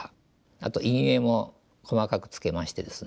あと陰影も細かくつけましてですね